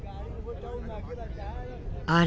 あれ？